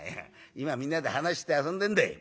今みんなで話しして遊んでんだい。